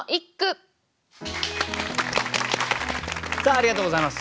ありがとうございます。